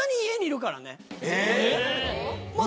えっ！？